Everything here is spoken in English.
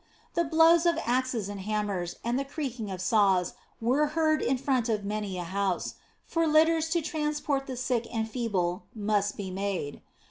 The blows of axes and hammers and the creaking of saws were heard in front of many a house; for litters to transport the sick and feeble must be made.